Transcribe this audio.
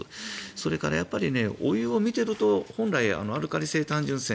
それから、お湯を見ていると本来アルカリ性単純泉